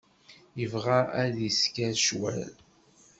Yebɣa ad isker ccwal.